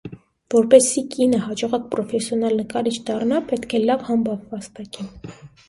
Որպեսզի կինը հաջողակ պրոֆեսիոնալ նկարիչ դառնա, պետք է լավ համբավ վաստակի։